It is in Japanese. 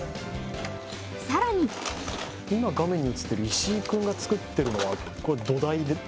さらに今画面に映ってる石井君が作ってるのはああ